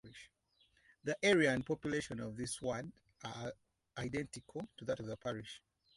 The area and population of this ward are identical to that of the parish.